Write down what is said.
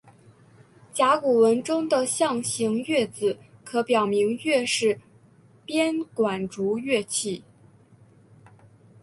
甲骨文中的象形龠字可表明龠是编管竹乐器。